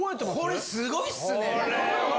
これ、すごいっすね。